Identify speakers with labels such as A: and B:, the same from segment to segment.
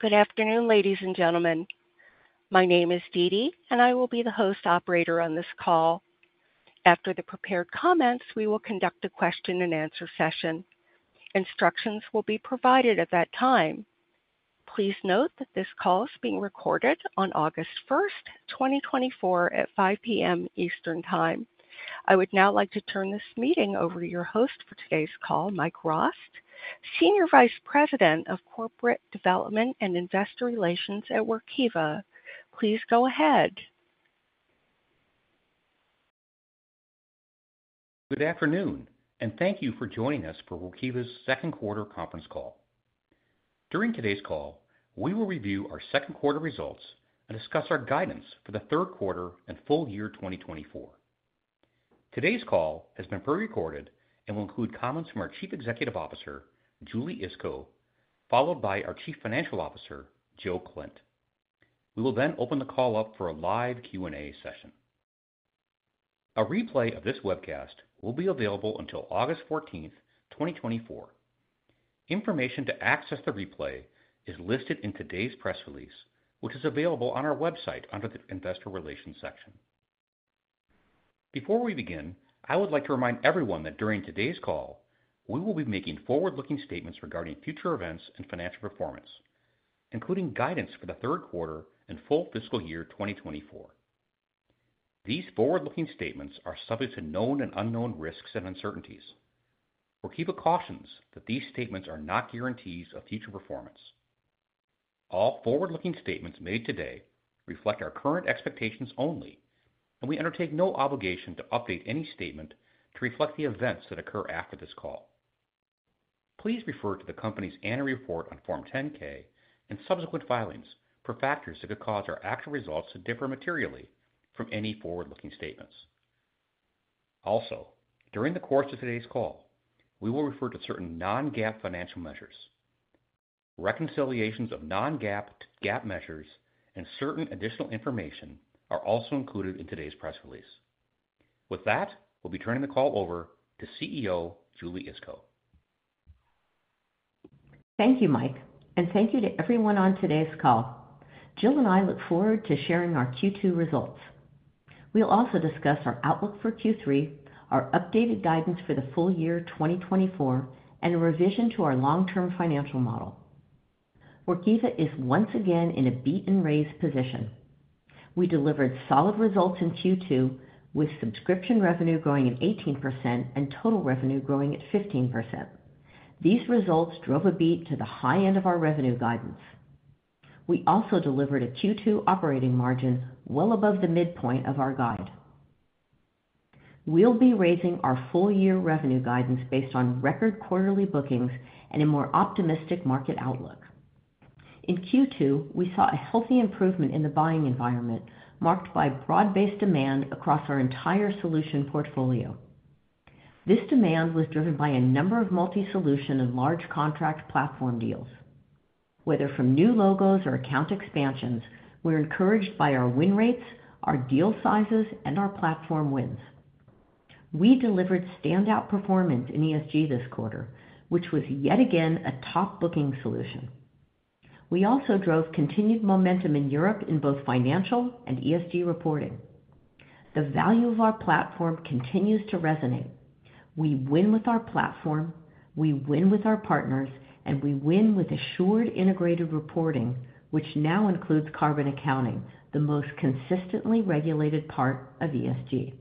A: Good afternoon, ladies and gentlemen. My name is Didi, and I will be the host operator on this call. After the prepared comments, we will conduct a question-and-answer session. Instructions will be provided at that time. Please note that this call is being recorded on August 1st, 2024, at 5:00 P.M. Eastern Time. I would now like to turn this meeting over to your host for today's call, Mike Rost, Senior Vice President of Corporate Development and Investor Relations at Workiva. Please go ahead.
B: Good afternoon, and thank you for joining us for Workiva's second quarter conference call. During today's call, we will review our second quarter results and discuss our guidance for the third quarter and full year 2024. Today's call has been pre-recorded and will include comments from our Chief Executive Officer, Julie Iskow, followed by our Chief Financial Officer, Jill Klindt. We will then open the call up for a live Q&A session. A replay of this webcast will be available until August 14th, 2024. Information to access the replay is listed in today's press release, which is available on our website under the Investor Relations section. Before we begin, I would like to remind everyone that during today's call, we will be making forward-looking statements regarding future events and financial performance, including guidance for the third quarter and full fiscal year 2024. These forward-looking statements are subject to known and unknown risks and uncertainties. Workiva cautions that these statements are not guarantees of future performance. All forward-looking statements made today reflect our current expectations only, and we undertake no obligation to update any statement to reflect the events that occur after this call. Please refer to the company's annual report on Form 10-K and subsequent filings for factors that could cause our actual results to differ materially from any forward-looking statements. Also, during the course of today's call, we will refer to certain non-GAAP financial measures. Reconciliations of non-GAAP measures and certain additional information are also included in today's press release. With that, we'll be turning the call over to CEO Julie Iskow.
C: Thank you, Mike, and thank you to everyone on today's call. Jill and I look forward to sharing our Q2 results. We'll also discuss our outlook for Q3, our updated guidance for the full year 2024, and a revision to our long-term financial model. Workiva is once again in a beat-and-raise position. We delivered solid results in Q2, with subscription revenue growing at 18% and total revenue growing at 15%. These results drove a beat to the high end of our revenue guidance. We also delivered a Q2 operating margin well above the midpoint of our guide. We'll be raising our full-year revenue guidance based on record quarterly bookings and a more optimistic market outlook. In Q2, we saw a healthy improvement in the buying environment, marked by broad-based demand across our entire solution portfolio. This demand was driven by a number of multi-solution and large contract platform deals. Whether from new logos or account expansions, we're encouraged by our win rates, our deal sizes, and our platform wins. We delivered standout performance in ESG this quarter, which was yet again a top-booking solution. We also drove continued momentum in Europe in both financial and ESG reporting. The value of our platform continues to resonate. We win with our platform, we win with our partners, and we win with Assured Integrated Reporting, which now includes carbon accounting, the most consistently regulated part of ESG.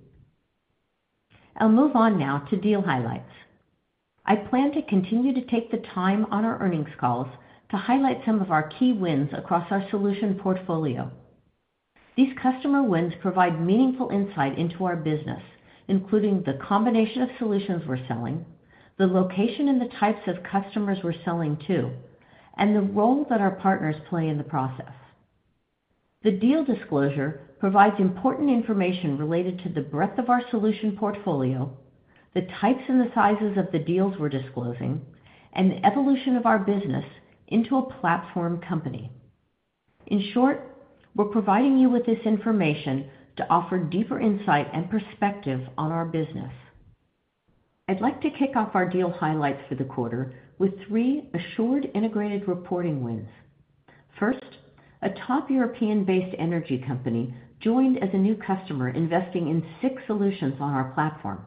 C: I'll move on now to deal highlights. I plan to continue to take the time on our earnings calls to highlight some of our key wins across our solution portfolio. These customer wins provide meaningful insight into our business, including the combination of solutions we're selling, the location and the types of customers we're selling to, and the role that our partners play in the process. The deal disclosure provides important information related to the breadth of our solution portfolio, the types and the sizes of the deals we're disclosing, and the evolution of our business into a platform company. In short, we're providing you with this information to offer deeper insight and perspective on our business. I'd like to kick off our deal highlights for the quarter with three Assured Integrated Reporting wins. First, a top European-based energy company joined as a new customer, investing in six solutions on our platform.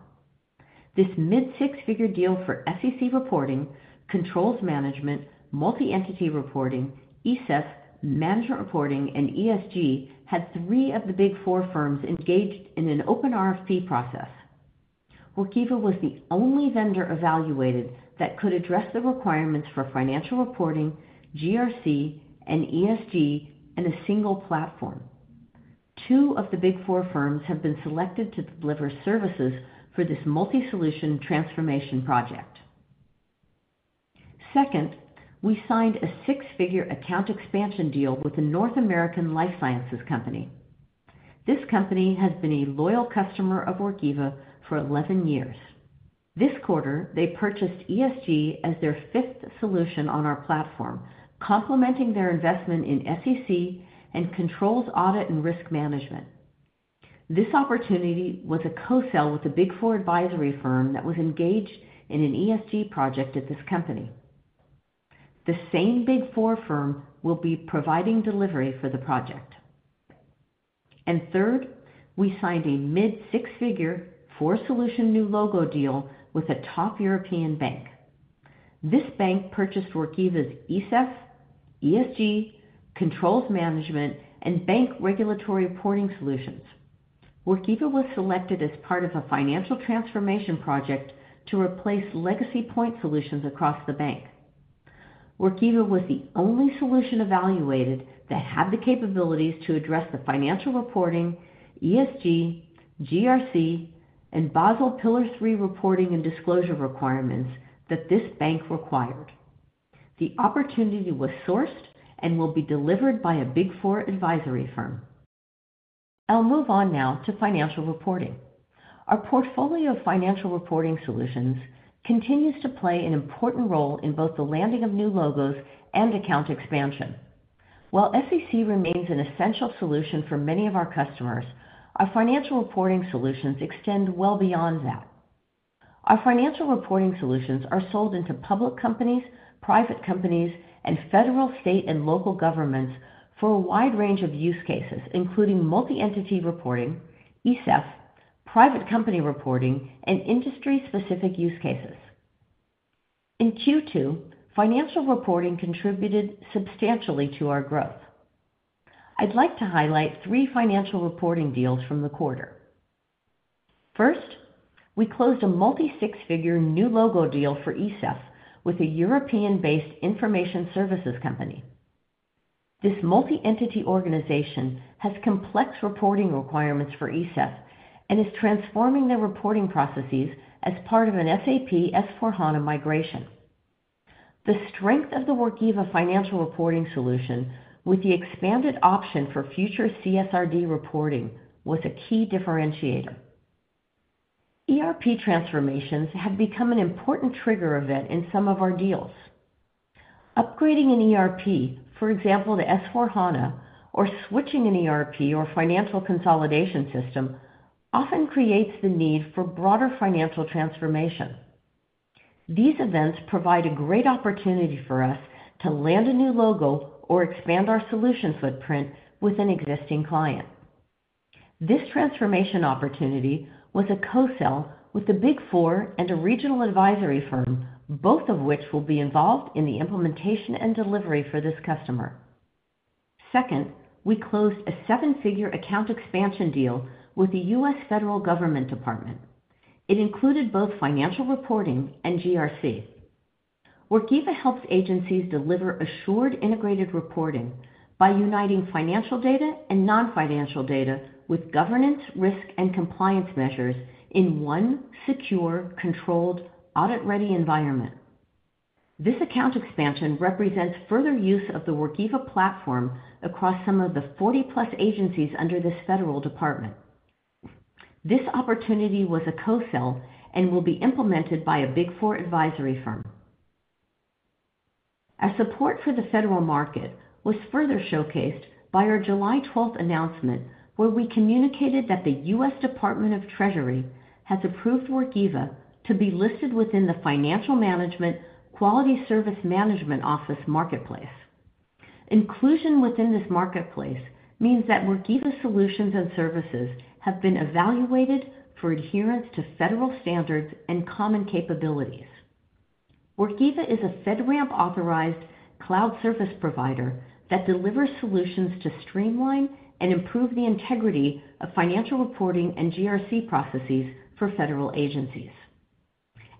C: This mid-six-figure deal for SEC reporting, controls management, multi-entity reporting, ESEF, management reporting, and ESG had three of the Big Four firms engaged in an open RFP process. Workiva was the only vendor evaluated that could address the requirements for financial reporting, GRC, and ESG in a single platform. 2 of the Big Four firms have been selected to deliver services for this multi-solution transformation project. Second, we signed a six-figure account expansion deal with a North American life sciences company. This company has been a loyal customer of Workiva for 11 years. This quarter, they purchased ESG as their fifth solution on our platform, complementing their investment in SEC and controls audit and risk management. This opportunity was a co-sell with a Big Four advisory firm that was engaged in an ESG project at this company. The same Big Four firm will be providing delivery for the project. And third, we signed a mid-six-figure 4-solution new logo deal with a top European bank. This bank purchased Workiva's ESEF, ESG, controls management, and bank regulatory reporting solutions. Workiva was selected as part of a financial transformation project to replace legacy point solutions across the bank. Workiva was the only solution evaluated that had the capabilities to address the financial reporting, ESG, GRC, and Basel Pillar Three reporting and disclosure requirements that this bank required. The opportunity was sourced and will be delivered by a Big Four advisory firm. I'll move on now to financial reporting. Our portfolio of financial reporting solutions continues to play an important role in both the landing of new logos and account expansion. While SEC remains an essential solution for many of our customers, our financial reporting solutions extend well beyond that. Our financial reporting solutions are sold into public companies, private companies, and federal, state, and local governments for a wide range of use cases, including multi-entity reporting, ESEF, private company reporting, and industry-specific use cases. In Q2, financial reporting contributed substantially to our growth. I'd like to highlight three financial reporting deals from the quarter. First, we closed a multi-six-figure new logo deal for ESEF with a European-based information services company. This multi-entity organization has complex reporting requirements for ESEF and is transforming their reporting processes as part of an SAP S/4HANA migration. The strength of the Workiva financial reporting solution with the expanded option for future CSRD reporting was a key differentiator. ERP transformations have become an important trigger event in some of our deals. Upgrading an ERP, for example, the S/4HANA, or switching an ERP or financial consolidation system often creates the need for broader financial transformation. These events provide a great opportunity for us to land a new logo or expand our solution footprint with an existing client. This transformation opportunity was a co-sell with the Big Four and a regional advisory firm, both of which will be involved in the implementation and delivery for this customer. Second, we closed a seven-figure account expansion deal with the U.S. federal government department. It included both financial reporting and GRC. Workiva helps agencies deliver Assured Integrated Reporting by uniting financial data and non-financial data with governance, risk, and compliance measures in one secure, controlled, audit-ready environment. This account expansion represents further use of the Workiva platform across some of the 40-plus agencies under this federal department. This opportunity was a co-sell and will be implemented by a Big Four advisory firm. As support for the federal market was further showcased by our July 12th announcement, where we communicated that the U.S. Department of Treasury has approved Workiva to be listed within the Financial Management Quality Service Management Office Marketplace. Inclusion within this marketplace means that Workiva solutions and services have been evaluated for adherence to federal standards and common capabilities. Workiva is a FedRAMP-authorized cloud service provider that delivers solutions to streamline and improve the integrity of financial reporting and GRC processes for federal agencies.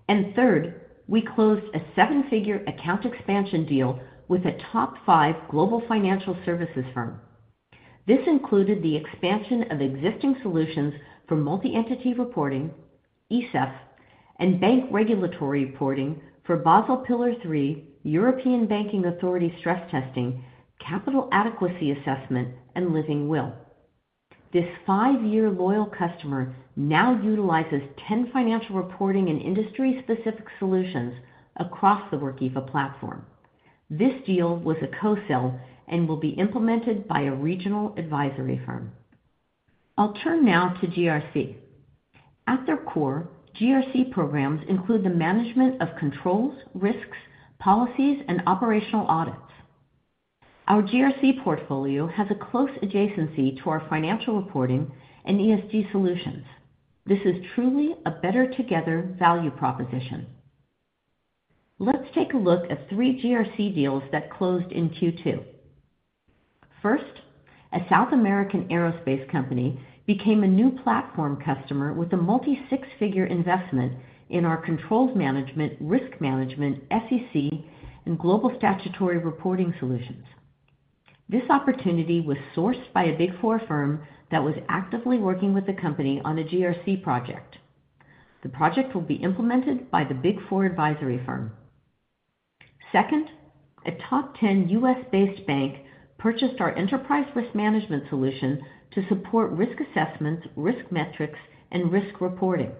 C: And third, we closed a seven-figure account expansion deal with a top five global financial services firm. This included the expansion of existing solutions for multi-entity reporting, ESEF, and bank regulatory reporting for Basel Pillar Three, European Banking Authority stress testing, capital adequacy assessment, and living will. This five-year loyal customer now utilizes 10 financial reporting and industry-specific solutions across the Workiva platform. This deal was a co-sell and will be implemented by a regional advisory firm. I'll turn now to GRC. At their core, GRC programs include the management of controls, risks, policies, and operational audits. Our GRC portfolio has a close adjacency to our financial reporting and ESG solutions. This is truly a better-together value proposition. Let's take a look at three GRC deals that closed in Q2. First, a South American aerospace company became a new platform customer with a multi-six-figure investment in our controls management, risk management, SEC, and global statutory reporting solutions. This opportunity was sourced by a Big Four firm that was actively working with the company on a GRC project. The project will be implemented by the Big Four advisory firm. Second, a top 10 U.S.-based bank purchased our enterprise risk management solution to support risk assessments, risk metrics, and risk reporting.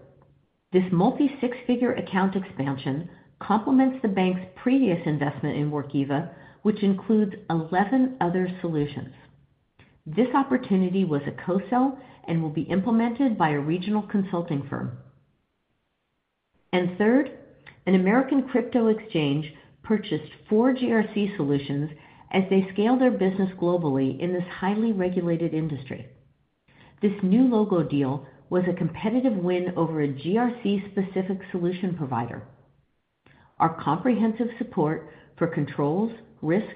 C: This multi-six-figure account expansion complements the bank's previous investment in Workiva, which includes 11 other solutions. This opportunity was a co-sell and will be implemented by a regional consulting firm. Third, an American crypto exchange purchased 4 GRC solutions as they scale their business globally in this highly regulated industry. This new logo deal was a competitive win over a GRC-specific solution provider. Our comprehensive support for controls, risk,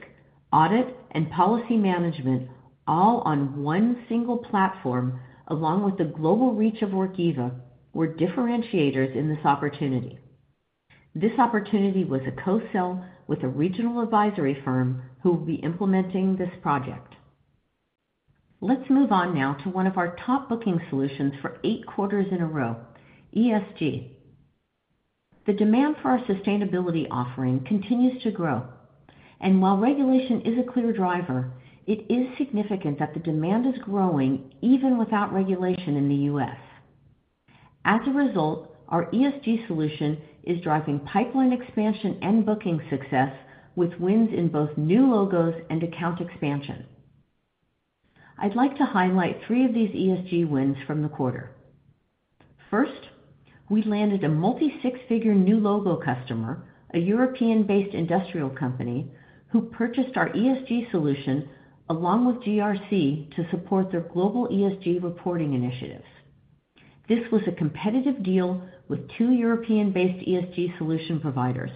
C: audit, and policy management, all on one single platform, along with the global reach of Workiva, were differentiators in this opportunity. This opportunity was a co-sell with a regional advisory firm who will be implementing this project. Let's move on now to one of our top booking solutions for 8 quarters in a row, ESG. The demand for our sustainability offering continues to grow. And while regulation is a clear driver, it is significant that the demand is growing even without regulation in the U.S. As a result, our ESG solution is driving pipeline expansion and booking success with wins in both new logos and account expansion. I'd like to highlight three of these ESG wins from the quarter. First, we landed a multi-six-figure new logo customer, a European-based industrial company, who purchased our ESG solution along with GRC to support their global ESG reporting initiatives. This was a competitive deal with two European-based ESG solution providers.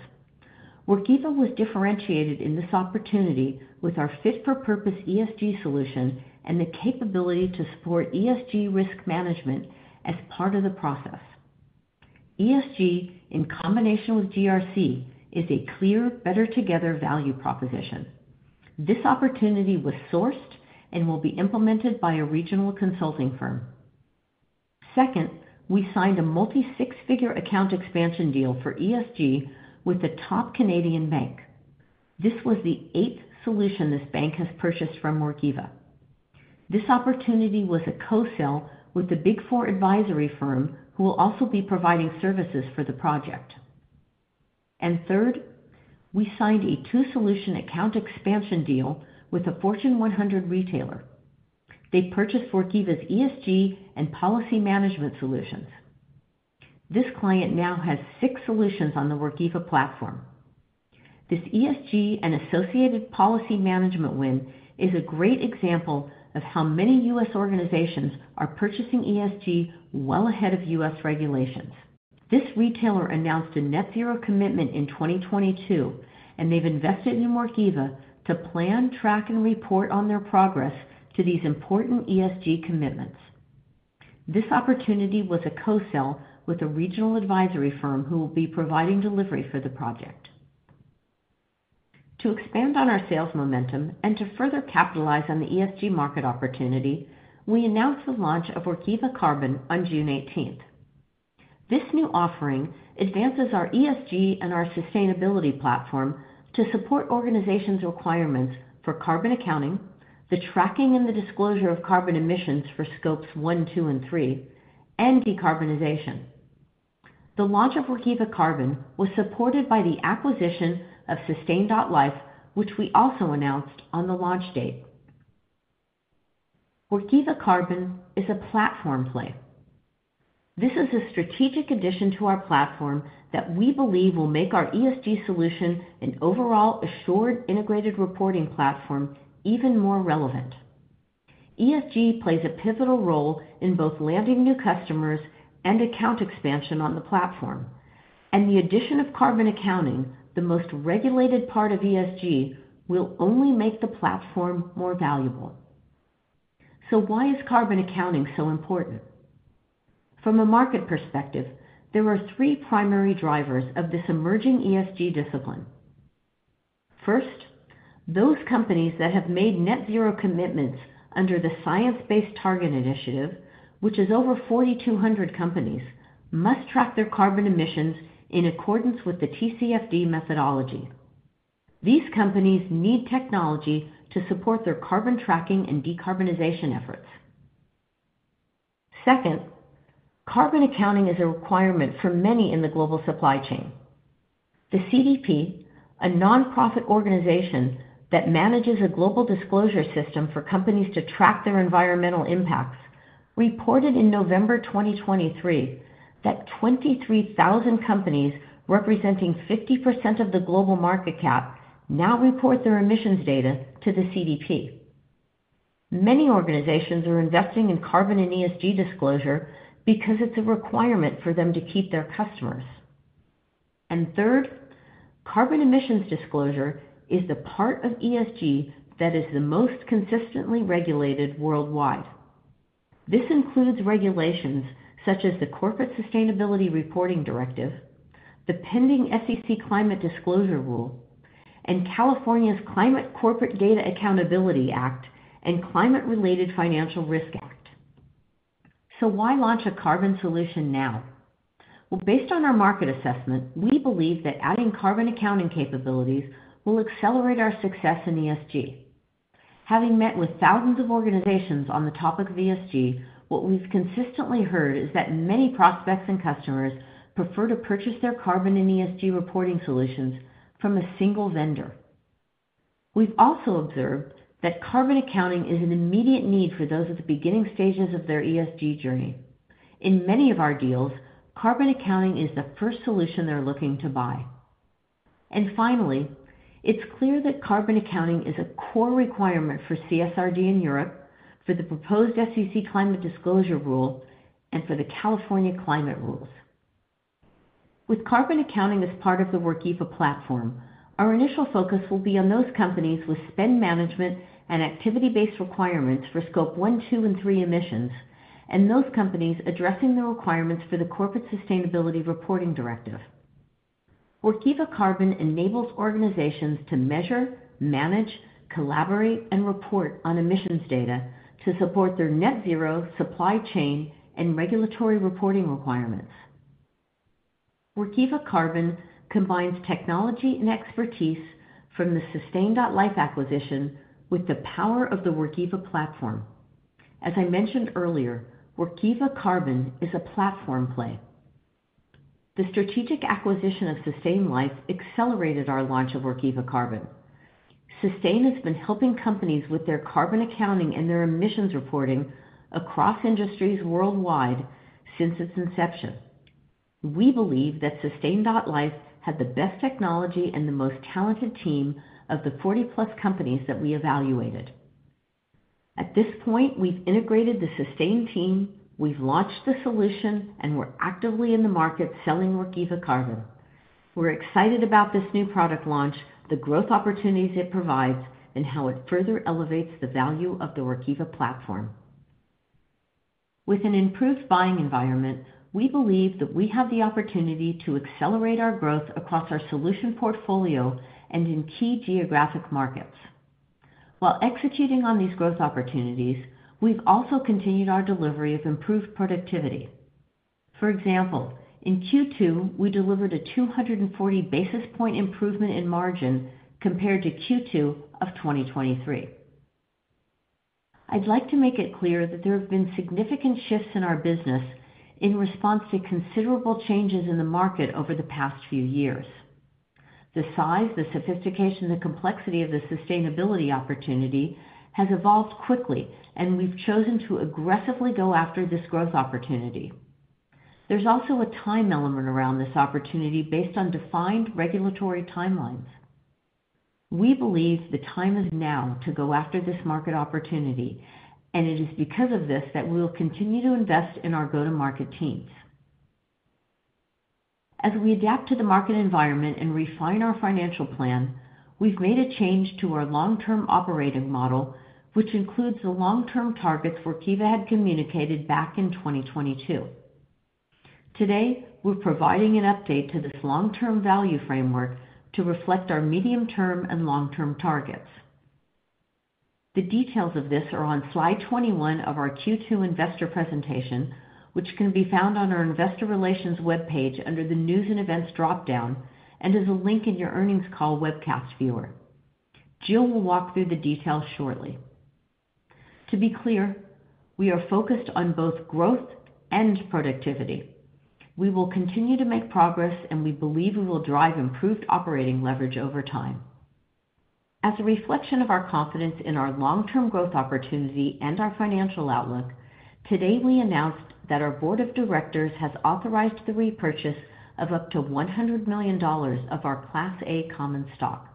C: Workiva was differentiated in this opportunity with our fit-for-purpose ESG solution and the capability to support ESG risk management as part of the process. ESG, in combination with GRC, is a clear, better-together value proposition. This opportunity was sourced and will be implemented by a regional consulting firm. Second, we signed a multi-six-figure account expansion deal for ESG with a top Canadian bank. This was the eighth solution this bank has purchased from Workiva. This opportunity was a co-sell with the Big Four advisory firm who will also be providing services for the project. And third, we signed a two-solution account expansion deal with a Fortune 100 retailer. They purchased Workiva's ESG and policy management solutions. This client now has six solutions on the Workiva platform. This ESG and associated policy management win is a great example of how many U.S. organizations are purchasing ESG well ahead of U.S. regulations. This retailer announced a net-zero commitment in 2022, and they've invested in Workiva to plan, track, and report on their progress to these important ESG commitments. This opportunity was a co-sell with a regional advisory firm who will be providing delivery for the project. To expand on our sales momentum and to further capitalize on the ESG market opportunity, we announced the launch of Workiva Carbon on June 18th. This new offering advances our ESG and our sustainability platform to support organizations' requirements for carbon accounting, the tracking and the disclosure of carbon emissions for Scope 1, 2, and 3, and decarbonization. The launch of Workiva Carbon was supported by the acquisition of Sustain.Life, which we also announced on the launch date. Workiva Carbon is a platform play. This is a strategic addition to our platform that we believe will make our ESG solution and overall Assured Integrated Reporting platform even more relevant. ESG plays a pivotal role in both landing new customers and account expansion on the platform. And the addition of carbon accounting, the most regulated part of ESG, will only make the platform more valuable. So why is carbon accounting so important? From a market perspective, there are three primary drivers of this emerging ESG discipline. First, those companies that have made net-zero commitments under the Science Based Targets initiative, which is over 4,200 companies, must track their carbon emissions in accordance with the TCFD methodology. These companies need technology to support their carbon tracking and decarbonization efforts. Second, carbon accounting is a requirement for many in the global supply chain. The CDP, a nonprofit organization that manages a global disclosure system for companies to track their environmental impacts, reported in November 2023 that 23,000 companies representing 50% of the global market cap now report their emissions data to the CDP. Many organizations are investing in carbon and ESG disclosure because it's a requirement for them to keep their customers. Third, carbon emissions disclosure is the part of ESG that is the most consistently regulated worldwide. This includes regulations such as the Corporate Sustainability Reporting Directive, the pending SEC Climate Disclosure Rule, and California's Climate Corporate Data Accountability Act and Climate-Related Financial Risk Act. So why launch a carbon solution now? Well, based on our market assessment, we believe that adding carbon accounting capabilities will accelerate our success in ESG. Having met with thousands of organizations on the topic of ESG, what we've consistently heard is that many prospects and customers prefer to purchase their carbon and ESG reporting solutions from a single vendor. We've also observed that carbon accounting is an immediate need for those at the beginning stages of their ESG journey. In many of our deals, carbon accounting is the first solution they're looking to buy. And finally, it's clear that carbon accounting is a core requirement for CSRD in Europe, for the proposed SEC Climate Disclosure Rule, and for the California Climate Rules. With carbon accounting as part of the Workiva platform, our initial focus will be on those companies with spend management and activity-based requirements for Scope 1, 2, and 3 emissions, and those companies addressing the requirements for the Corporate Sustainability Reporting Directive. Workiva Carbon enables organizations to measure, manage, collaborate, and report on emissions data to support their net-zero supply chain and regulatory reporting requirements. Workiva Carbon combines technology and expertise from the Sustain.Life acquisition with the power of the Workiva platform. As I mentioned earlier, Workiva Carbon is a platform play. The strategic acquisition of Sustain.Life accelerated our launch of Workiva Carbon. Sustain.Life has been helping companies with their carbon accounting and their emissions reporting across industries worldwide since its inception. We believe that Sustain.Life had the best technology and the most talented team of the 40+ companies that we evaluated. At this point, we've integrated the Sustain.Life team, we've launched the solution, and we're actively in the market selling Workiva Carbon. We're excited about this new product launch, the growth opportunities it provides, and how it further elevates the value of the Workiva platform. With an improved buying environment, we believe that we have the opportunity to accelerate our growth across our solution portfolio and in key geographic markets. While executing on these growth opportunities, we've also continued our delivery of improved productivity. For example, in Q2, we delivered a 240 basis point improvement in margin compared to Q2 of 2023. I'd like to make it clear that there have been significant shifts in our business in response to considerable changes in the market over the past few years. The size, the sophistication, the complexity of the sustainability opportunity has evolved quickly, and we've chosen to aggressively go after this growth opportunity. There's also a time element around this opportunity based on defined regulatory timelines. We believe the time is now to go after this market opportunity, and it is because of this that we will continue to invest in our go-to-market teams. As we adapt to the market environment and refine our financial plan, we've made a change to our long-term operating model, which includes the long-term targets Workiva had communicated back in 2022. Today, we're providing an update to this long-term value framework to reflect our medium-term and long-term targets. The details of this are on Slide 21 of our Q2 investor presentation, which can be found on our Investor Relations webpage under the News and Events dropdown and is a link in your earnings call webcast viewer. Jill will walk through the details shortly. To be clear, we are focused on both growth and productivity. We will continue to make progress, and we believe we will drive improved operating leverage over time. As a reflection of our confidence in our long-term growth opportunity and our financial outlook, today we announced that our board of directors has authorized the repurchase of up to $100 million of our Class A common stock.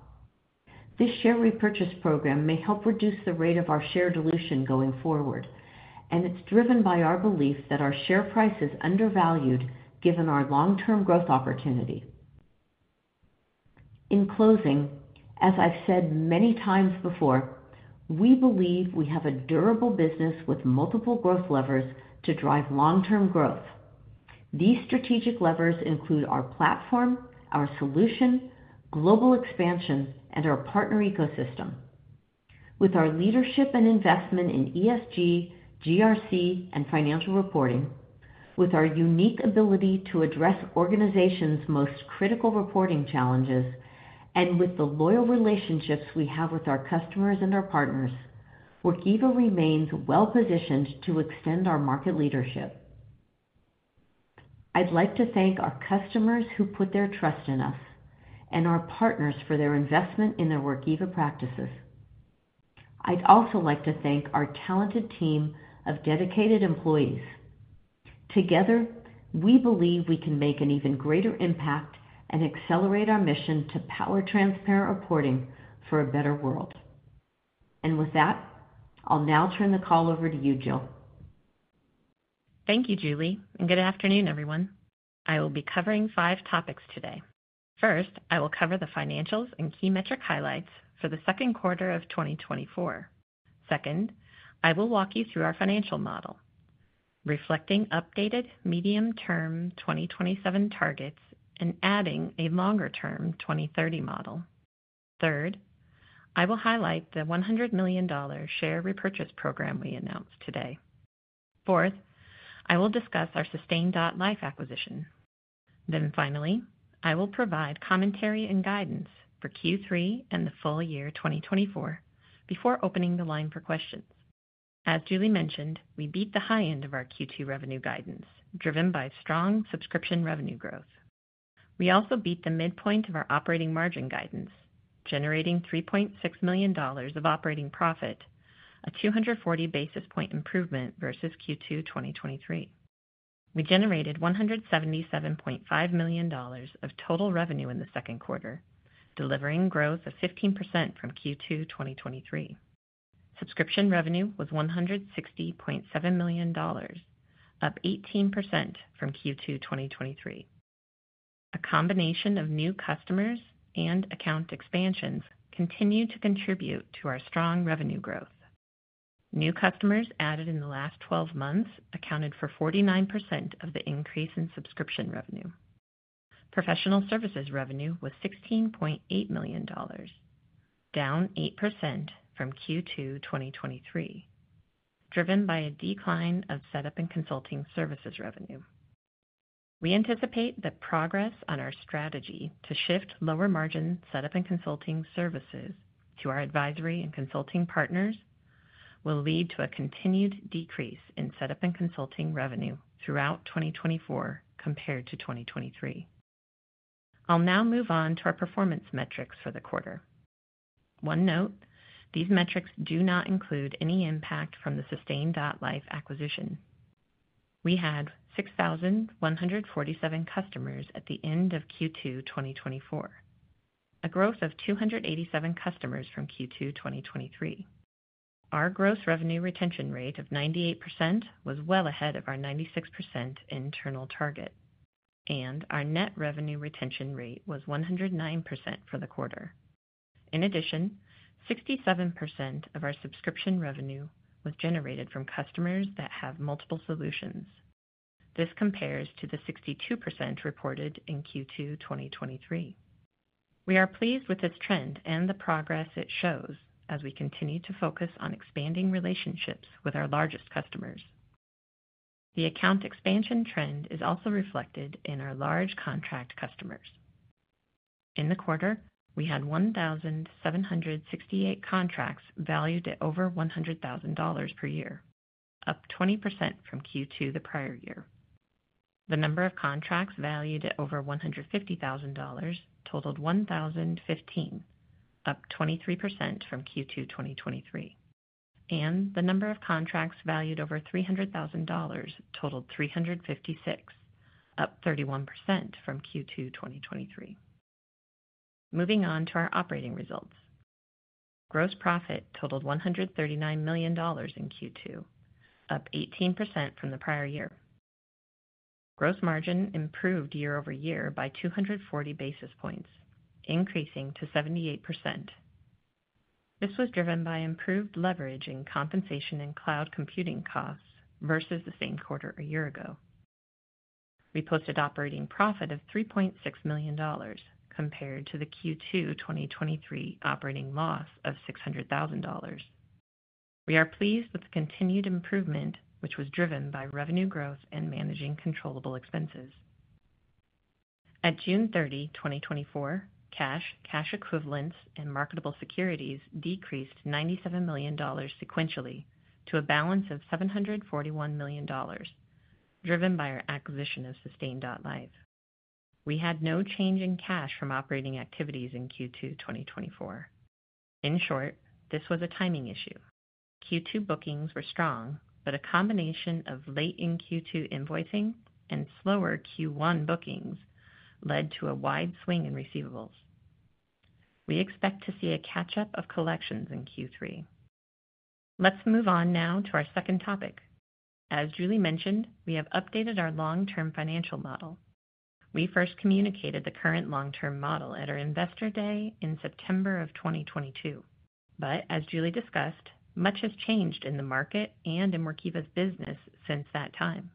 C: This share repurchase program may help reduce the rate of our share dilution going forward, and it's driven by our belief that our share price is undervalued given our long-term growth opportunity. In closing, as I've said many times before, we believe we have a durable business with multiple growth levers to drive long-term growth. These strategic levers include our platform, our solution, global expansion, and our partner ecosystem. With our leadership and investment in ESG, GRC, and financial reporting, with our unique ability to address organizations' most critical reporting challenges, and with the loyal relationships we have with our customers and our partners, Workiva remains well-positioned to extend our market leadership. I'd like to thank our customers who put their trust in us and our partners for their investment in their Workiva practices. I'd also like to thank our talented team of dedicated employees. Together, we believe we can make an even greater impact and accelerate our mission to power transparent reporting for a better world. And with that, I'll now turn the call over to you, Jill.
D: Thank you, Julie. Good afternoon, everyone. I will be covering five topics today. First, I will cover the financials and key metric highlights for the second quarter of 2024. Second, I will walk you through our financial model, reflecting updated medium-term 2027 targets and adding a longer-term 2030 model. Third, I will highlight the $100 million share repurchase program we announced today. Fourth, I will discuss our Sustain.Life acquisition. Then finally, I will provide commentary and guidance for Q3 and the full year 2024 before opening the line for questions. As Julie mentioned, we beat the high end of our Q2 revenue guidance, driven by strong subscription revenue growth. We also beat the midpoint of our operating margin guidance, generating $3.6 million of operating profit, a 240 basis point improvement versus Q2 2023. We generated $177.5 million of total revenue in the second quarter, delivering growth of 15% from Q2 2023. Subscription revenue was $160.7 million, up 18% from Q2 2023. A combination of new customers and account expansions continue to contribute to our strong revenue growth. New customers added in the last 12 months accounted for 49% of the increase in subscription revenue. Professional services revenue was $16.8 million, down 8% from Q2 2023, driven by a decline of setup and consulting services revenue. We anticipate that progress on our strategy to shift lower margin setup and consulting services to our advisory and consulting partners will lead to a continued decrease in setup and consulting revenue throughout 2024 compared to 2023. I'll now move on to our performance metrics for the quarter. One note, these metrics do not include any impact from the Sustain.Life acquisition. We had 6,147 customers at the end of Q2 2024, a growth of 287 customers from Q2 2023. Our gross revenue retention rate of 98% was well ahead of our 96% internal target, and our net revenue retention rate was 109% for the quarter. In addition, 67% of our subscription revenue was generated from customers that have multiple solutions. This compares to the 62% reported in Q2 2023. We are pleased with this trend and the progress it shows as we continue to focus on expanding relationships with our largest customers. The account expansion trend is also reflected in our large contract customers. In the quarter, we had 1,768 contracts valued at over $100,000 per year, up 20% from Q2 the prior year. The number of contracts valued at over $150,000 totaled 1,015, up 23% from Q2 2023. The number of contracts valued over $300,000 totaled 356, up 31% from Q2 2023. Moving on to our operating results. Gross profit totaled $139 million in Q2, up 18% from the prior year. Gross margin improved year over year by 240 basis points, increasing to 78%. This was driven by improved leverage and compensation in cloud computing costs versus the same quarter a year ago. We posted operating profit of $3.6 million compared to the Q2 2023 operating loss of $600,000. We are pleased with the continued improvement, which was driven by revenue growth and managing controllable expenses. At June 30, 2024, cash, cash equivalents, and marketable securities decreased $97 million sequentially to a balance of $741 million, driven by our acquisition of Sustain.Life. We had no change in cash from operating activities in Q2 2024. In short, this was a timing issue. Q2 bookings were strong, but a combination of late-in-Q2 invoicing and slower Q1 bookings led to a wide swing in receivables. We expect to see a catch-up of collections in Q3. Let's move on now to our second topic. As Julie mentioned, we have updated our long-term financial model. We first communicated the current long-term model at our Investor Day in September 2022. As Julie discussed, much has changed in the market and in Workiva's business since that time.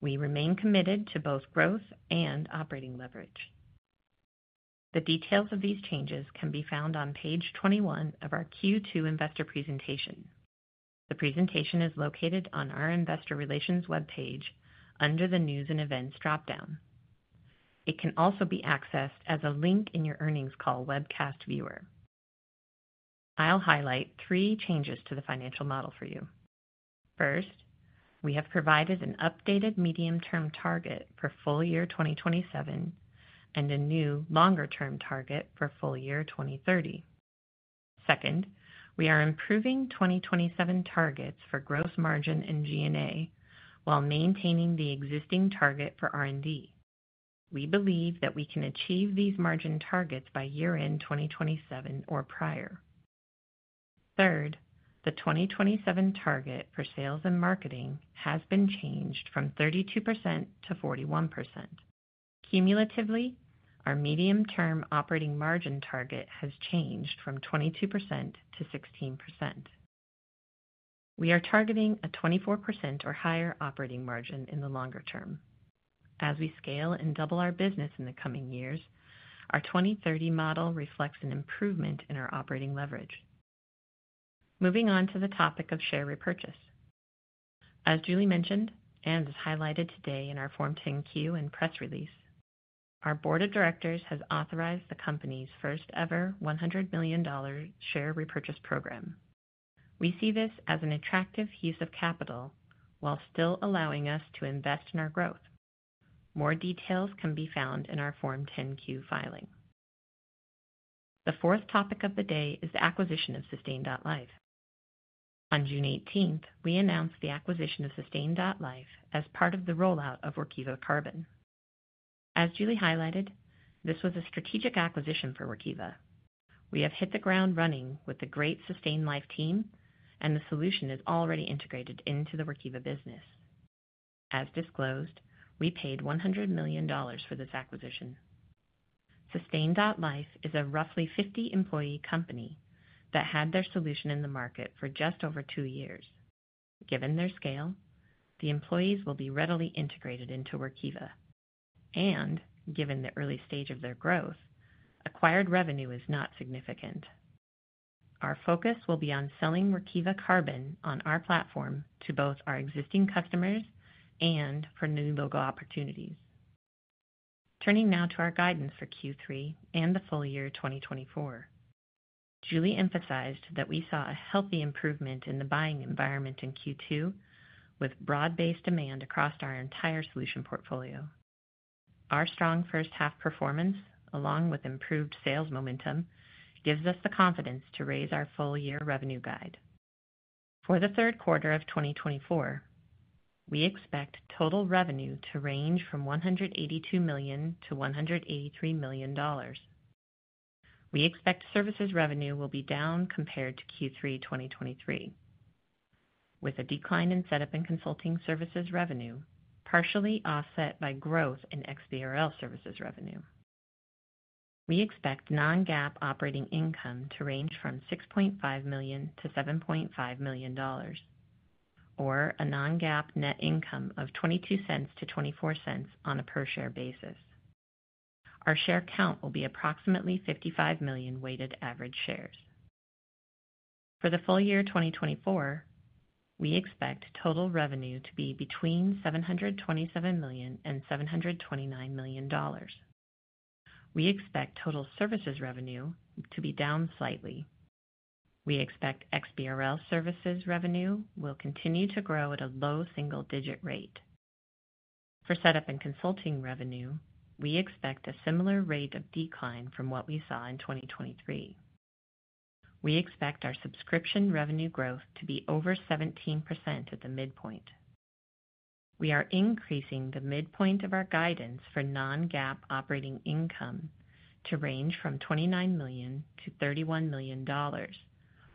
D: We remain committed to both growth and operating leverage. The details of these changes can be found on page 21 of our Q2 investor presentation. The presentation is located on our investor relations webpage under the news and events dropdown. It can also be accessed as a link in your earnings call webcast viewer. I'll highlight three changes to the financial model for you. First, we have provided an updated medium-term target for full year 2027 and a new longer-term target for full year 2030. Second, we are improving 2027 targets for gross margin and G&A while maintaining the existing target for R&D. We believe that we can achieve these margin targets by year-end 2027 or prior. Third, the 2027 target for sales and marketing has been changed from 32%-41%. Cumulatively, our medium-term operating margin target has changed from 22%-16%. We are targeting a 24% or higher operating margin in the longer term. As we scale and double our business in the coming years, our 2030 model reflects an improvement in our operating leverage. Moving on to the topic of share repurchase. As Julie mentioned, and as highlighted today in our Form 10-Q and press release, our board of directors has authorized the company's first-ever $100 million share repurchase program. We see this as an attractive use of capital while still allowing us to invest in our growth. More details can be found in our Form 10-Q filing. The fourth topic of the day is the acquisition of Sustain.Life. On June 18, we announced the acquisition of Sustain.Life as part of the rollout of Workiva Carbon. As Julie highlighted, this was a strategic acquisition for Workiva. We have hit the ground running with the great Sustain.Life team, and the solution is already integrated into the Workiva business. As disclosed, we paid $100 million for this acquisition. Sustain.Life is a roughly 50-employee company that had their solution in the market for just over two years. Given their scale, the employees will be readily integrated into Workiva. Given the early stage of their growth, acquired revenue is not significant. Our focus will be on selling Workiva Carbon on our platform to both our existing customers and for new logo opportunities. Turning now to our guidance for Q3 and the full year 2024, Julie emphasized that we saw a healthy improvement in the buying environment in Q2 with broad-based demand across our entire solution portfolio. Our strong first-half performance, along with improved sales momentum, gives us the confidence to raise our full-year revenue guide. For the third quarter of 2024, we expect total revenue to range from $182 million-$183 million. We expect services revenue will be down compared to Q3 2023, with a decline in setup and consulting services revenue, partially offset by growth in XBRL services revenue. We expect non-GAAP operating income to range from $6.5 million-$7.5 million, or a non-GAAP net income of $0.22-$0.24 on a per-share basis. Our share count will be approximately 55 million weighted average shares. For the full year 2024, we expect total revenue to be between $727 million and $729 million. We expect total services revenue to be down slightly. We expect XBRL services revenue will continue to grow at a low single-digit rate. For setup and consulting revenue, we expect a similar rate of decline from what we saw in 2023. We expect our subscription revenue growth to be over 17% at the midpoint. We are increasing the midpoint of our guidance for non-GAAP operating income to range from $29 million to $31 million,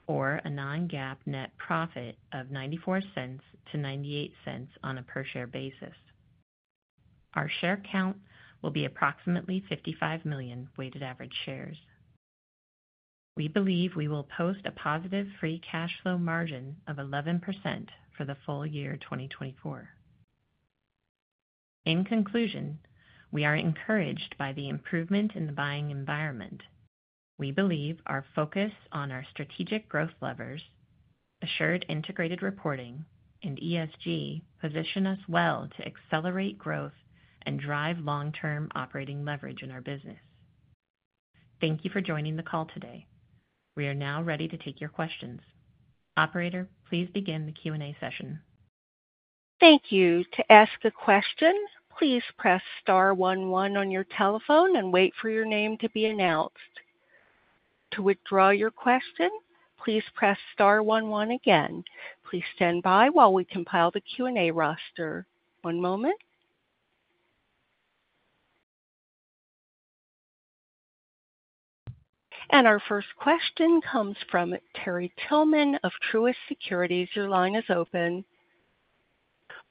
D: or a non-GAAP net profit of $0.94 to $0.98 on a per-share basis. Our share count will be approximately 55 million weighted average shares. We believe we will post a positive free cash flow margin of 11% for the full year 2024. In conclusion, we are encouraged by the improvement in the buying environment. We believe our focus on our strategic growth levers, Assured Integrated Reporting, and ESG position us well to accelerate growth and drive long-term operating leverage in our business. Thank you for joining the call today. We are now ready to take your questions. Operator, please begin the Q&A session. Thank you.
A: To ask a question, please press star 11 on your telephone and wait for your name to be announced. To withdraw your question, please press star 11 again. Please stand by while we compile the Q&A roster. One moment. And our first question comes from Terry Tillman of Truist Securities. Your line is open.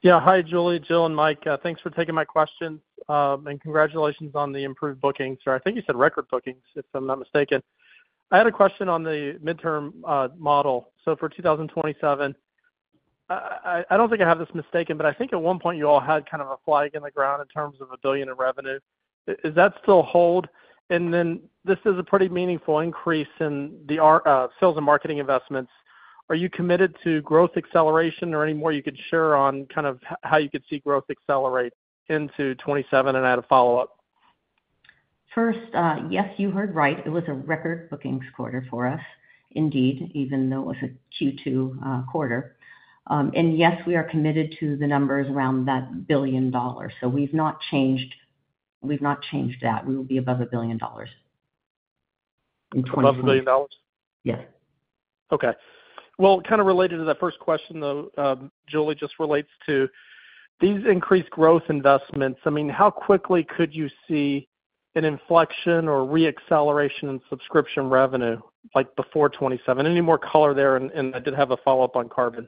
E: Yeah. Hi, Julie, Jill, and Mike. Thanks for taking my question. And congratulations on the improved bookings. Or I think you said record bookings, if I'm not mistaken. I had a question on the midterm model. So for 2027, I don't think I have this mistaken, but I think at one point you all had kind of a flag in the ground in terms of $1 billion in revenue. Is that still hold? And then this is a pretty meaningful increase in the sales and marketing investments. Are you committed to growth acceleration or any more you could share on kind of how you could see growth accelerate into 2027 and add a follow-up?
C: First, yes, you heard right. It was a record bookings quarter for us, indeed, even though it was a Q2 quarter. And yes, we are committed to the numbers around that $1 billion. So we've not changed that. We will be above $1 billion in 2027. Above $1 billion? Yes.
E: Okay. Well, kind of related to that first question, though, Julie just relates to these increased growth investments. I mean, how quickly could you see an inflection or re-acceleration in subscription revenue before 2027? Any more color there? And I did have a follow-up on carbon.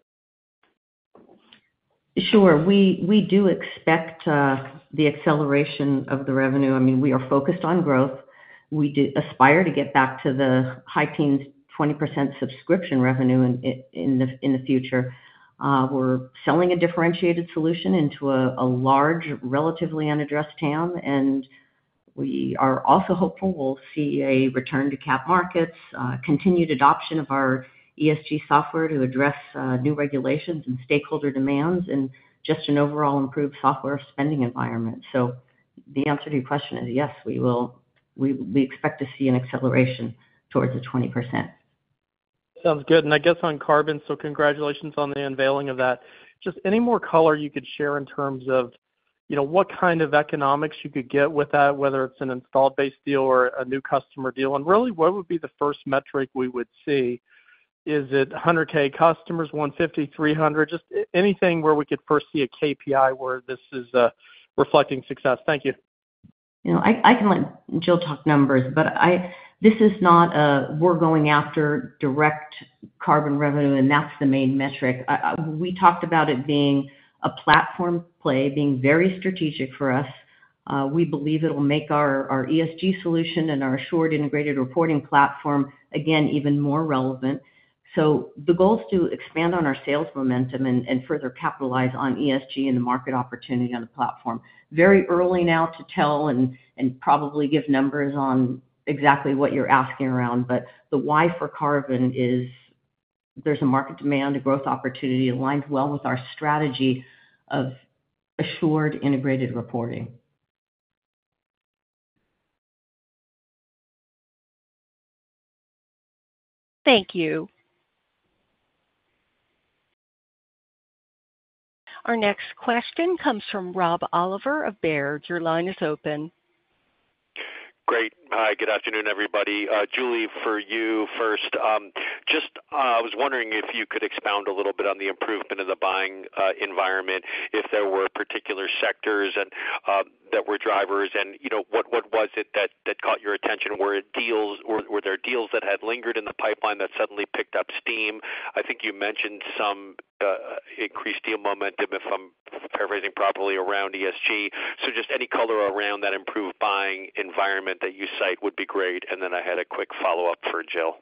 C: Sure. We do expect the acceleration of the revenue. I mean, we are focused on growth. We aspire to get back to the high-teens 20% subscription revenue in the future. We're selling a differentiated solution into a large, relatively unaddressed TAM. And we are also hopeful we'll see a return to capital markets, continued adoption of our ESG software to address new regulations and stakeholder demands, and just an overall improved software spending environment. So the answer to your question is yes, we expect to see an acceleration towards the 20%.
E: Sounds good. And I guess on carbon, so congratulations on the unveiling of that. Just any more color you could share in terms of what kind of economics you could get with that, whether it's an installed-based deal or a new customer deal? And really, what would be the first metric we would see? Is it 100K customers, 150, 300? Just anything where we could first see a KPI where this is reflecting success. Thank you.
C: I can let Jill talk numbers, but this is not a we're going after direct carbon revenue, and that's the main metric. We talked about it being a platform play, being very strategic for us. We believe it'll make our ESG solution and our Assured Integrated Reporting platform, again, even more relevant. So the goal is to expand on our sales momentum and further capitalize on ESG and the market opportunity on the platform. Very early now to tell and probably give numbers on exactly what you're asking around, but the why for carbon is there's a market demand, a growth opportunity aligned well with our strategy of Assured Integrated Reporting.
D: Thank you.
A: Our next question comes from Rob Oliver of Baird. Your line is open. Great.
F: Hi, good afternoon, everybody. Julie, for you first, just I was wondering if you could expound a little bit on the improvement of the buying environment, if there were particular sectors that were drivers, and what was it that caught your attention? Were there deals that had lingered in the pipeline that suddenly picked up steam? I think you mentioned some increased deal momentum, if I'm paraphrasing properly, around ESG. So just any color around that improved buying environment that you cite would be great. And then I had a quick follow-up for Jill.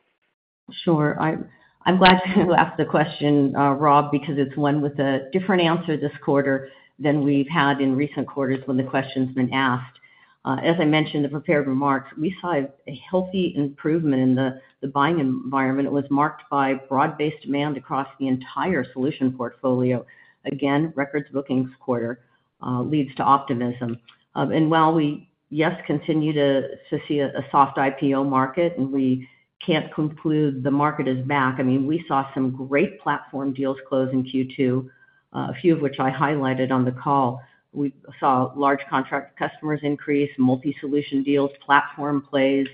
F: Sure.
C: I'm glad you asked the question, Rob, because it's one with a different answer this quarter than we've had in recent quarters when the question's been asked. As I mentioned in the prepared remarks, we saw a healthy improvement in the buying environment. It was marked by broad-based demand across the entire solution portfolio. Again, records bookings quarter leads to optimism. And while we, yes, continue to see a soft IPO market, and we can't conclude the market is back, I mean, we saw some great platform deals close in Q2, a few of which I highlighted on the call. We saw large contract customers increase, multi-solution deals, platform plays.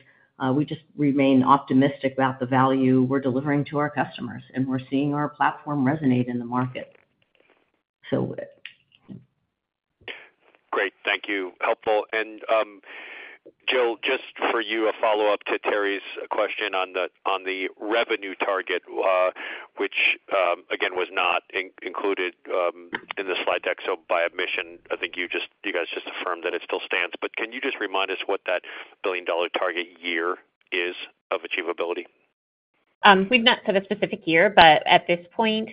C: We just remain optimistic about the value we're delivering to our customers, and we're seeing our platform resonate in the market.
F: So. Great. Thank you. Helpful. Jill, just for you, a follow-up to Terry's question on the revenue target, which, again, was not included in the slide deck. So by admission, I think you guys just affirmed that it still stands. But can you just remind us what that billion-dollar target year is of achievability?
D: We've not said a specific year, but at this point,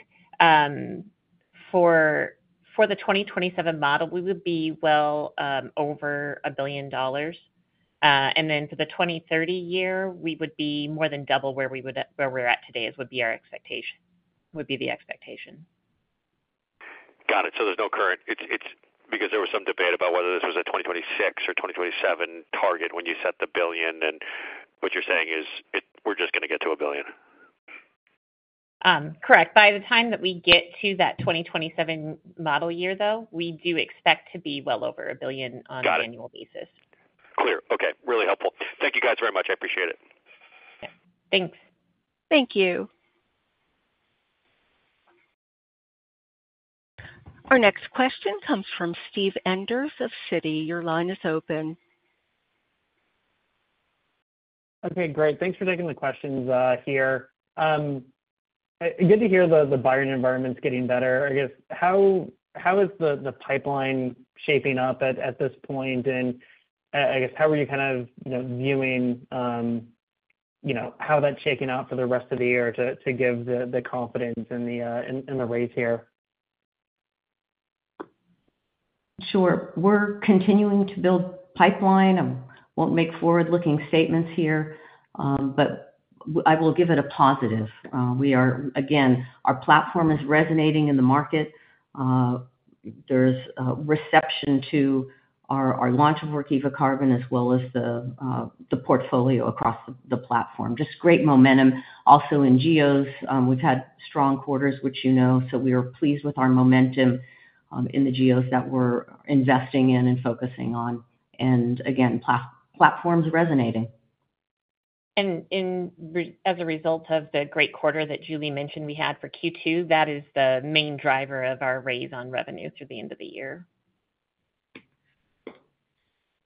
D: for the 2027 model, we would be well over $1 billion. And then for the 2030 year, we would be more than double where we're at today would be our expectation, would be the expectation.
F: Got it. So there's no current because there was some debate about whether this was a 2026 or 2027 target when you set the billion, and what you're saying is we're just going to get to a billion. Correct.
D: By the time that we get to that 2027 model year, though, we do expect to be well over $1 billion on an annual basis.
F: Got it. Clear. Okay. Really helpful. Thank you guys very much. I appreciate it. Thanks.
D: Thank you.
A: Our next question comes from Steve Enders of Citi. Your line is open.
G: Okay. Great. Thanks for taking the questions here. Good to hear the buying environment's getting better. I guess, how is the pipeline shaping up at this point? And I guess, how are you kind of viewing how that's shaking out for the rest of the year to give the confidence in the raise here?
C: Sure. We're continuing to build pipeline. I won't make forward-looking statements here, but I will give it a positive. Again, our platform is resonating in the market. There's reception to our launch of Workiva Carbon as well as the portfolio across the platform. Just great momentum. Also, in geos, we've had strong quarters, which you know, so we are pleased with our momentum in the geos that we're investing in and focusing on. And again, platforms resonating.
D: And as a result of the great quarter that Julie mentioned we had for Q2, that is the main driver of our raise on revenue through the end of the year.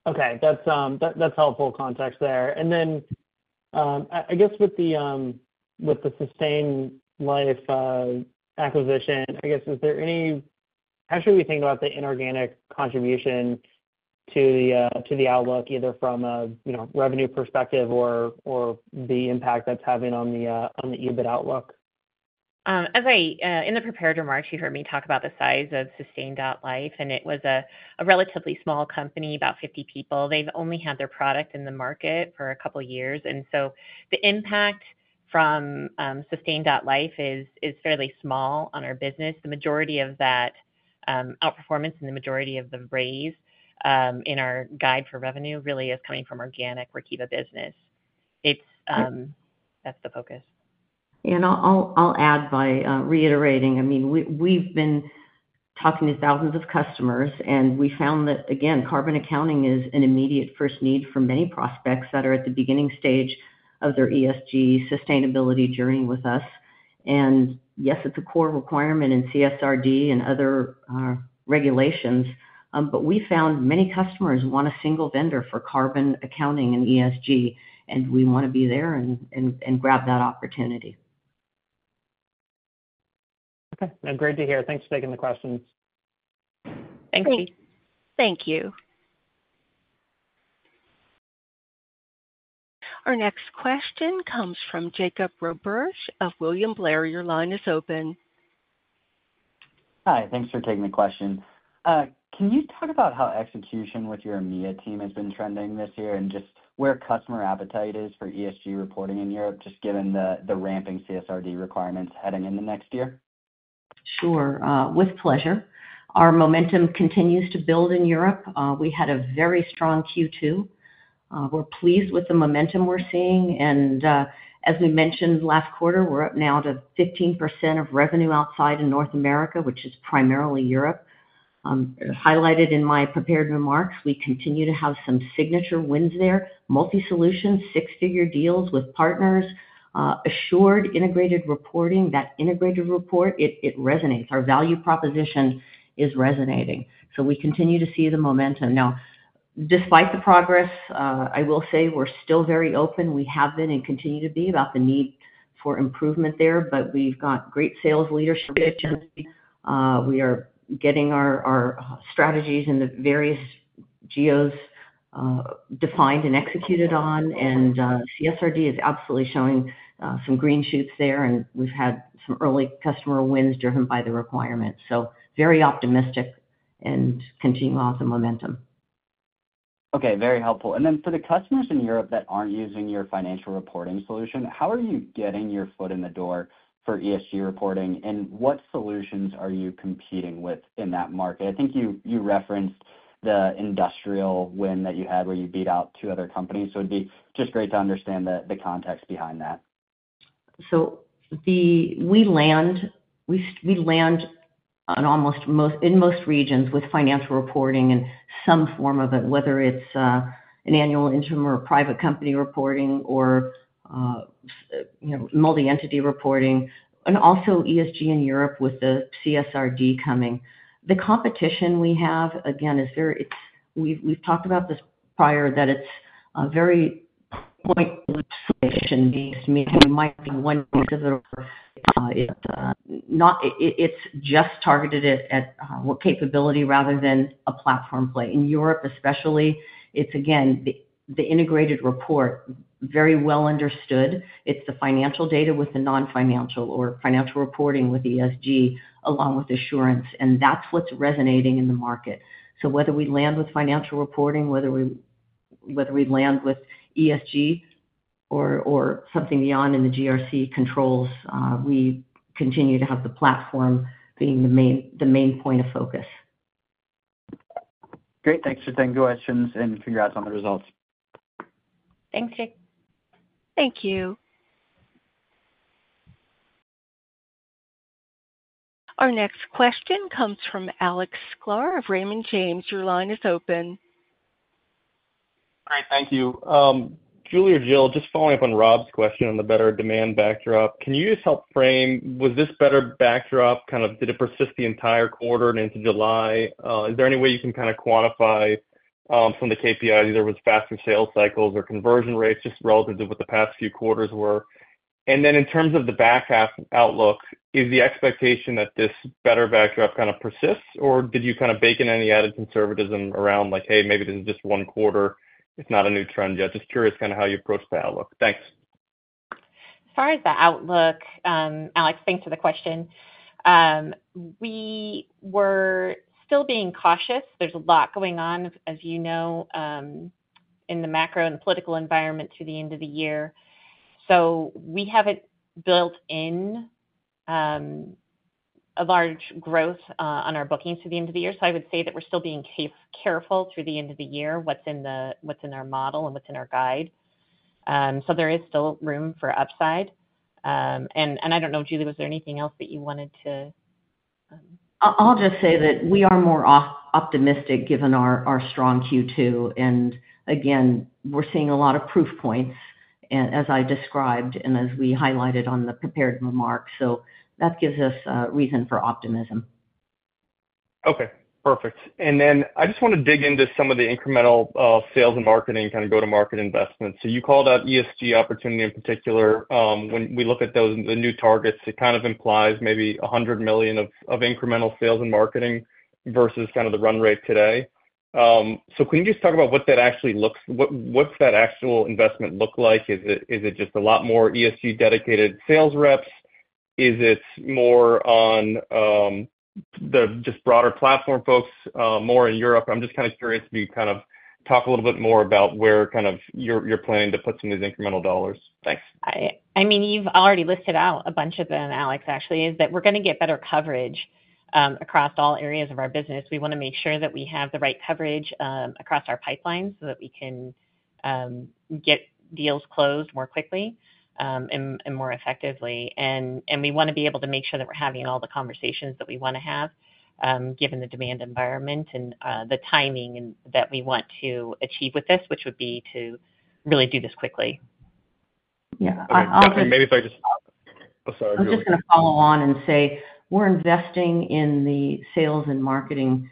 G: Okay. That's helpful context there. And then I guess with the Sustain.Life acquisition, I guess, is there any how should we think about the inorganic contribution to the outlook, either from a revenue perspective or the impact that's having on the EBIT outlook?
D: In the prepared remarks, you heard me talk about the size of Sustain.Life, and it was a relatively small company, about 50 people. They've only had their product in the market for a couple of years. And so the impact from Sustain.Life is fairly small on our business. The majority of that outperformance and the majority of the raise in our guide for revenue really is coming from organic Workiva business. That's the focus.
C: And I'll add by reiterating, I mean, we've been talking to thousands of customers, and we found that, again, carbon accounting is an immediate first need for many prospects that are at the beginning stage of their ESG sustainability journey with us. And yes, it's a core requirement in CSRD and other regulations, but we found many customers want a single vendor for carbon accounting and ESG, and we want to be there and grab that opportunity.
G: Okay. And great to hear. Thanks for taking the questions. Thanks. Thank you.
A: Our next question comes from Jacob Roberge of William Blair. Your line is open.
H: Hi. Thanks for taking the question. Can you talk about how execution with your EMEA team has been trending this year and just where customer appetite is for ESG reporting in Europe, just given the ramping CSRD requirements heading into next year?
C: Sure. With pleasure. Our momentum continues to build in Europe. We had a very strong Q2. We're pleased with the momentum we're seeing. And as we mentioned last quarter, we're up now to 15% of revenue outside in North America, which is primarily Europe. Highlighted in my prepared remarks, we continue to have some signature wins there. Multi-solution, six-figure deals with partners, Assured Integrated Reporting. That integrated report, it resonates. Our value proposition is resonating. So we continue to see the momentum. Now, despite the progress, I will say we're still very open. We have been and continue to be about the need for improvement there, but we've got great sales leadership. We are getting our strategies in the various geos defined and executed on, and CSRD is absolutely showing some green shoots there, and we've had some early customer wins driven by the requirement. So very optimistic and continuing on the momentum.
H: Okay. Very helpful. And then for the customers in Europe that aren't using your financial reporting solution, how are you getting your foot in the door for ESG reporting, and what solutions are you competing with in that market? I think you referenced the industrial win that you had where you beat out two other companies. So it'd be just great to understand the context behind that.
C: So we land in almost in most regions with financial reporting and some form of it, whether it's an annual interim or private company reporting or multi-entity reporting. And also ESG in Europe with the CSRD coming. The competition we have, again, is very, we've talked about this prior, that it's very point solution-based. I mean, it might be one exhibitor. It's just targeted at capability rather than a platform play. In Europe, especially, it's, again, the integrated report, very well understood. It's the financial data with the non-financial or financial reporting with ESG along with assurance. And that's what's resonating in the market. So whether we land with financial reporting, whether we land with ESG or something beyond in the GRC controls, we continue to have the platform being the main point of focus.
H: Great. Thanks for taking the questions and congrats on the results.
C: Thank you.
A: Thank you. Our next question comes from Alex Sklar of Raymond James. Your line is open.
I: All right. Thank you. Julie or Jill, just following up on Rob's question on the better demand backdrop, can you just help frame? Was this better backdrop kind of did it persist the entire quarter and into July? Is there any way you can kind of quantify some of the KPIs, either with faster sales cycles or conversion rates, just relative to what the past few quarters were? And then in terms of the back half outlook, is the expectation that this better backdrop kind of persists, or did you kind of bake in any added conservatism around like, "Hey, maybe this is just one quarter. It's not a new trend yet." Just curious kind of how you approach the outlook. Thanks.
D: As far as the outlook, Alex, thanks for the question. We were still being cautious. There's a lot going on, as you know, in the macro and political environment to the end of the year. So we haven't built in a large growth on our bookings to the end of the year. So I would say that we're still being careful through the end of the year, what's in our model and what's in our guide. So there is still room for upside. And I don't know, Julie, was there anything else that you wanted to?
C: I'll just say that we are more optimistic given our strong Q2. And again, we're seeing a lot of proof points, as I described and as we highlighted on the prepared remarks. So that gives us a reason for optimism.
I: Okay. Perfect. And then I just want to dig into some of the incremental sales and marketing, kind of go-to-market investments. So you called out ESG opportunity in particular. When we look at those and the new targets, it kind of implies maybe $100 million of incremental sales and marketing versus kind of the run rate today. So can you just talk about what that actually looks what's that actual investment look like? Is it just a lot more ESG-dedicated sales reps? Is it more on the just broader platform folks, more in Europe? I'm just kind of curious if you kind of talk a little bit more about where kind of you're planning to put some of these incremental dollars. Thanks.
D: I mean, you've already listed out a bunch of them, Alex, actually, is that we're going to get better coverage across all areas of our business. We want to make sure that we have the right coverage across our pipeline so that we can get deals closed more quickly and more effectively. We want to be able to make sure that we're having all the conversations that we want to have, given the demand environment and the timing that we want to achieve with this, which would be to really do this quickly.
C: I'm sorry. I'm just going to follow on and say we're investing in the sales and marketing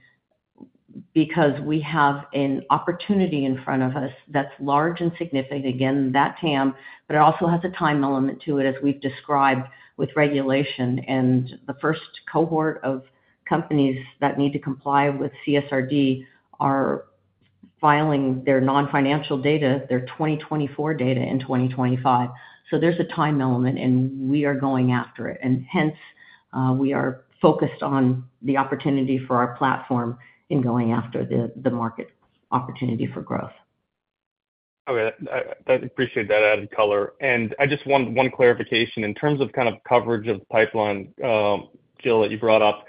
C: because we have an opportunity in front of us that's large and significant. Again, that TAM, but it also has a time element to it, as we've described with regulation. The first cohort of companies that need to comply with CSRD are filing their non-financial data, their 2024 data in 2025. So there's a time element, and we are going after it. And hence, we are focused on the opportunity for our platform in going after the market opportunity for growth.
I: Okay. I appreciate that added color. And I just want one clarification. In terms of kind of coverage of the pipeline, Jill, that you brought up,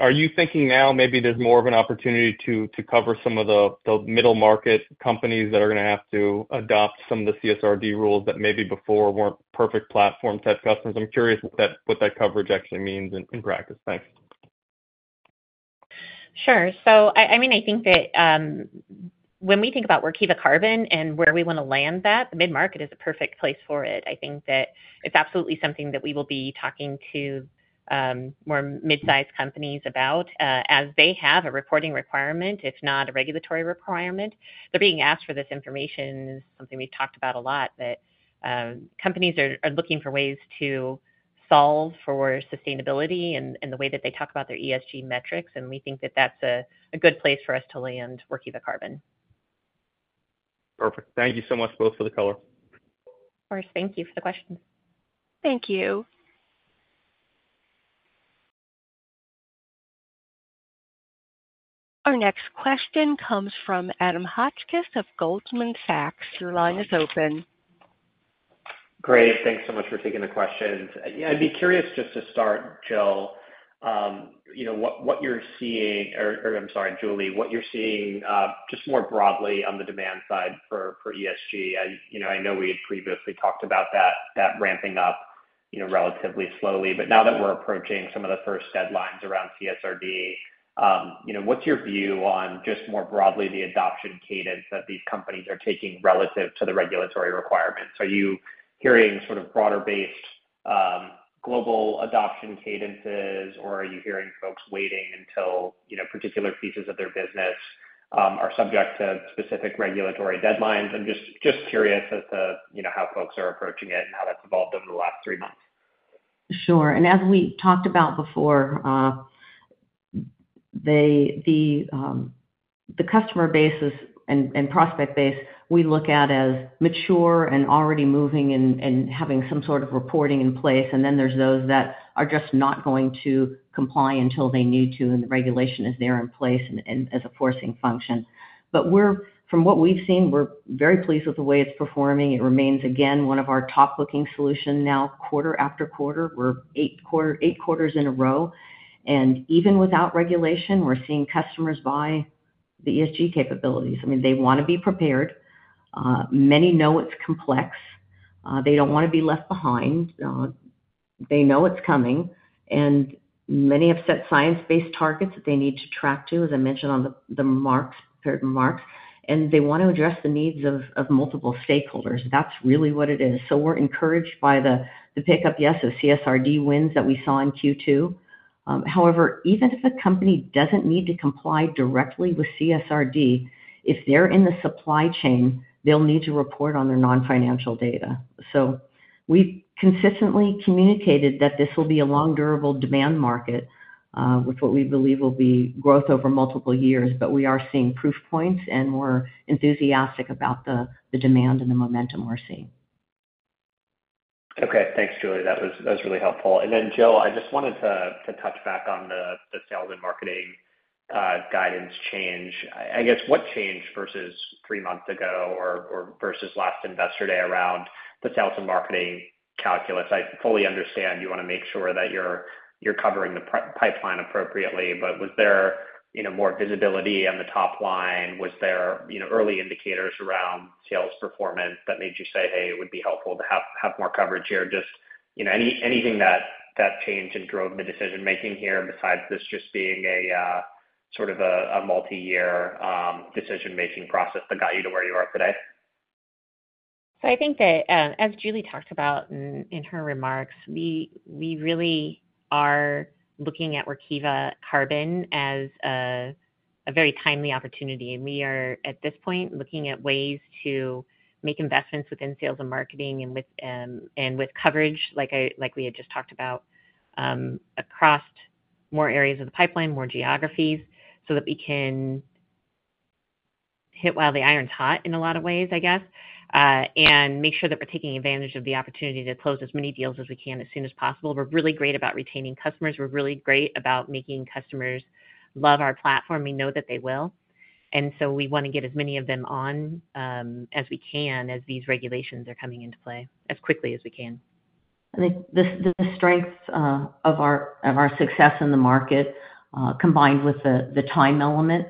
I: are you thinking now maybe there's more of an opportunity to cover some of the middle market companies that are going to have to adopt some of the CSRD rules that maybe before weren't perfect platform-type customers? I'm curious what that coverage actually means in practice. Thanks.
D: Sure. So I mean, I think that when we think about Workiva Carbon and where we want to land that, the mid-market is a perfect place for it.
C: I think that it's absolutely something that we will be talking to more mid-sized companies about as they have a reporting requirement, if not a regulatory requirement. They're being asked for this information. It's something we've talked about a lot that companies are looking for ways to solve for sustainability and the way that they talk about their ESG metrics. And we think that that's a good place for us to land Workiva Carbon.
I: Perfect. Thank you so much, both, for the color.
D: Of course. Thank you for the questions.
A: Thank you. Our next question comes from Adam Hotchkiss of Goldman Sachs. Your line is open.
J: Great. Thanks so much for taking the questions. Yeah. I'd be curious just to start, Jill, what you're seeing or I'm sorry, Julie, what you're seeing just more broadly on the demand side for ESG. I know we had previously talked about that ramping up relatively slowly, but now that we're approaching some of the first deadlines around CSRD, what's your view on just more broadly the adoption cadence that these companies are taking relative to the regulatory requirements? Are you hearing sort of broader-based global adoption cadences, or are you hearing folks waiting until particular pieces of their business are subject to specific regulatory deadlines? I'm just curious as to how folks are approaching it and how that's evolved over the last three months.
C: Sure. And as we talked about before, the customer base and prospect base we look at as mature and already moving and having some sort of reporting in place. And then there's those that are just not going to comply until they need to, and the regulation is there in place as a forcing function. But from what we've seen, we're very pleased with the way it's performing. It remains, again, one of our top-booking solutions now quarter after quarter. We're 8 quarters in a row. And even without regulation, we're seeing customers buy the ESG capabilities. I mean, they want to be prepared. Many know it's complex. They don't want to be left behind. They know it's coming. And many have set science-based targets that they need to track to, as I mentioned, on the prepared remarks. And they want to address the needs of multiple stakeholders. That's really what it is. So we're encouraged by the pickup, yes, of CSRD wins that we saw in Q2. However, even if a company doesn't need to comply directly with CSRD, if they're in the supply chain, they'll need to report on their non-financial data. So we've consistently communicated that this will be a long, durable demand market with what we believe will be growth over multiple years, but we are seeing proof points, and we're enthusiastic about the demand and the momentum we're seeing.
J: Okay. Thanks, Julie. That was really helpful. And then, Jill, I just wanted to touch back on the sales and marketing guidance change. I guess, what changed versus three months ago or versus last Investor Day around the sales and marketing calculus? I fully understand you want to make sure that you're covering the pipeline appropriately, but was there more visibility on the top line? Was there early indicators around sales performance that made you say, "Hey, it would be helpful to have more coverage here"? Just anything that changed and drove the decision-making here besides this just being sort of a multi-year decision-making process that got you to where you are today?
D: So I think that, as Julie talked about in her remarks, we really are looking at Workiva Carbon as a very timely opportunity. And we are, at this point, looking at ways to make investments within sales and marketing and with coverage, like we had just talked about, across more areas of the pipeline, more geographies, so that we can hit while the iron's hot in a lot of ways, I guess, and make sure that we're taking advantage of the opportunity to close as many deals as we can as soon as possible. We're really great about retaining customers. We're really great about making customers love our platform. We know that they will. So we want to get as many of them on as we can as these regulations are coming into play, as quickly as we can. I think the strength of our success in the market, combined with the time element,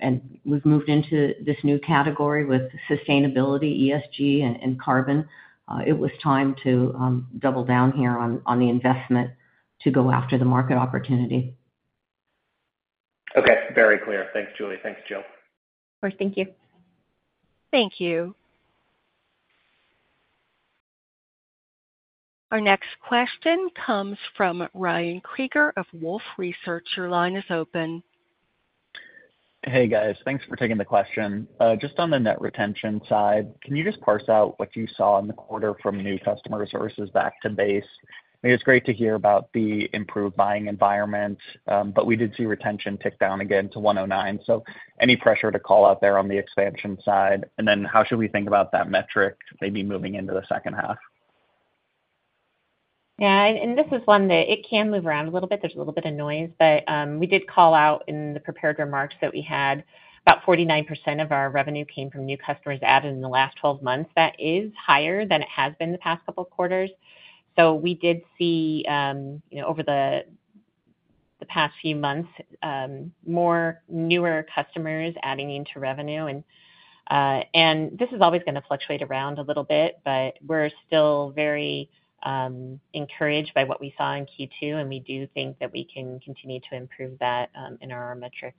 D: and we've moved into this new category with sustainability, ESG, and carbon, it was time to double down here on the investment to go after the market opportunity.
J: Okay. Very clear. Thanks, Julie. Thanks, Jill.
C: Of course. Thank you.
A: Thank you. Our next question comes from Ryan Krieger of Wolfe Research. Your line is open.
H: Hey, guys. Thanks for taking the question. Just on the net retention side, can you just parse out what you saw in the quarter from new customers versus back to base? I mean, it's great to hear about the improved buying environment, but we did see retention tick down again to 109. So any pressure to call out there on the expansion side? And then how should we think about that metric maybe moving into the second half?
D: Yeah. And this is one that it can move around a little bit. There's a little bit of noise. But we did call out in the prepared remarks that we had about 49% of our revenue came from new customers added in the last 12 months. That is higher than it has been the past couple of quarters. So we did see, over the past few months, more newer customers adding into revenue. And this is always going to fluctuate around a little bit, but we're still very encouraged by what we saw in Q2, and we do think that we can continue to improve that in our metric.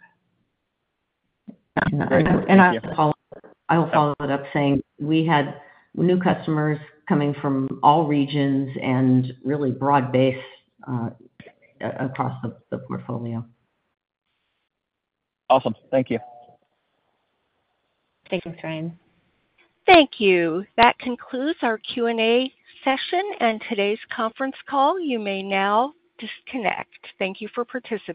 C: I'll follow it up saying we had new customers coming from all regions and really broad-based across the portfolio.
K: Awesome. Thank you.
C: Thanks, Ryan. Thank you. That concludes our Q&A session and today's conference call. You may now disconnect. Thank you for participating.